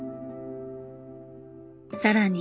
更に。